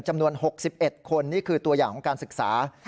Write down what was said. จำนวน๖๑คนนี่คือตัวอย่างของการศึกษา